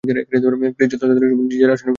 Please যত তাড়াতাড়ি সম্ভব নিজের আসনে ফিরে যান।